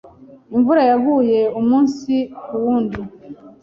Imvura yaguye umunsi kuwundi.